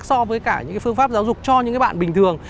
so với phương pháp giáo dục cho những bạn bình thường